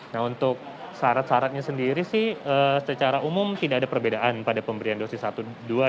nah untuk syarat syaratnya sendiri sih secara umum tidak ada perbedaan pada pemberian dosis satu dua ribu